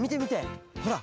ほら。